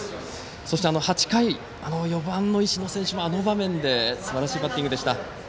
そして、８回あの４番の石野選手、あの場面ですばらしいバッティングでした。